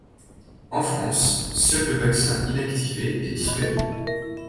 En France, seul le vaccin inactivé est disponible.